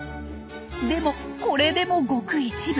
でもこれでもごく一部。